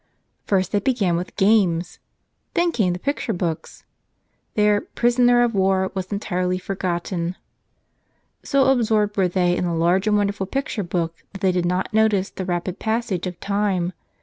First they began with games; then came the picture books. Their "prisoner of war" was entirely forgotten. So absorbed were they in a large and wonderful pic¬ ture book that they did not notice the rapid passage of tiijae.